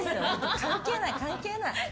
関係ない、関係ない！